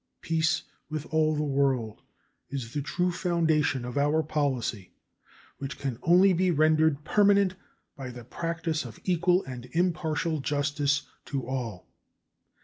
Peace with all the world is the true foundation of our policy, which can only be rendered permanent by the practice of equal and impartial justice to all.